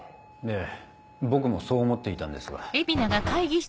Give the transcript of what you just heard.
ええ僕もそう思っていたんですが。